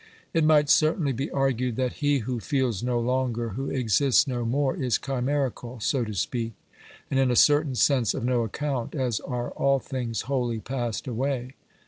It might certainly be argued that he who feels no longer, who exists no more, is chimerical, so to speak, and in a certain sense of no account, as are all things wholly passed away.